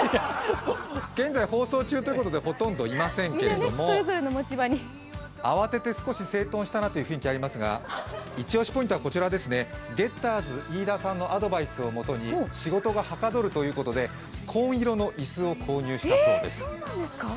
現在、放送中ということでほとんどいませんけど慌てて少し整頓したなという雰囲気、ありますがイチオシポイントはこちらですね、ゲッターズ飯田さんのアドバイスをもとに仕事がはかどるということで紺色の椅子を購入したそうです。